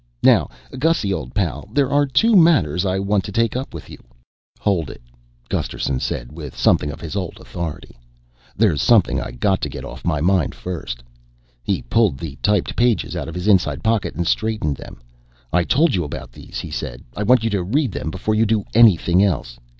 Now, Gussy old pal, there are two matters I want to take up with you " "Hold it," Gusterson said with something of his old authority. "There's something I got to get off my mind first." He pulled the typed pages out of his inside pocket and straightened them. "I told you about these," he said. "I want you to read them before you do anything else.